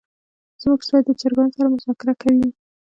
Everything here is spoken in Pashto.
زمونږ سپی د چرګانو سره مذاکره کوي.